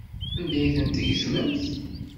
Anda ay ten-tgezmemt?